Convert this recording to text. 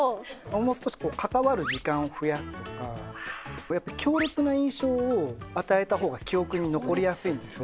もう少し関わる時間を増やすとかやっぱ強烈な印象を与えたほうが記憶に残りやすいんですね。